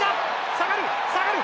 下がる下がる！